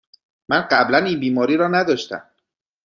من قبلاً این بیماری را نداشتم.